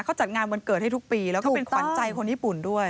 เขาจัดงานวันเกิดให้ทุกปีแล้วก็เป็นขวัญใจคนญี่ปุ่นด้วย